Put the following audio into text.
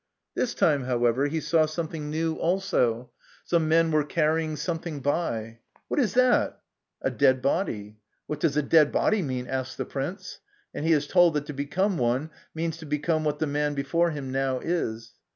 This time, however, he saw something new also some men were carrying something by. What is that ?' 'A dead body.' l What does a dead body mean ?' asks the prince ; and he is told that to become one means to become what the man before him now is.